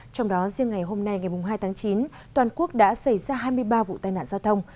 trong đó riêng ngày hôm nay ngày hai tháng chín toàn quốc đã xảy ra hai mươi ba vụ tai nạn giao thông